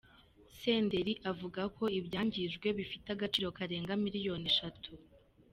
Senderi avuga ko ibyangijwe bifite agaciro karenga miliyoni eshatu.